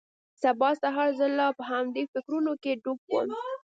سبا سهار زه لا په همدې فکرونو کښې ډوب وم.